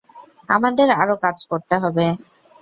আমাদের আরো কাজ করতে হবে।